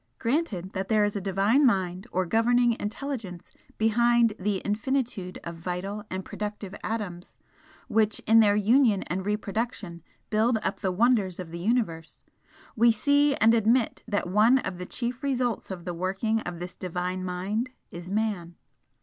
Granted that there is a Divine Mind or Governing Intelligence behind the infinitude of vital and productive atoms which in their union and reproduction build up the wonders of the Universe, we see and admit that one of the chief results of the working of this Divine Mind is Man.